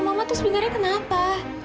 mama tuh sebenarnya kenapa